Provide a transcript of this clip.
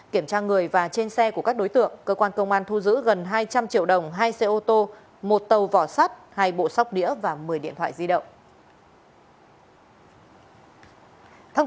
kiểm tra người và trên xe của các đối tượng cơ quan công an thu giữ gần hai trăm linh triệu đồng hai xe ô tô một tàu vỏ sắt hai bộ sóc đĩa và một mươi điện thoại di động